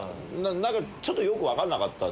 ちょっとよく分かんなかった。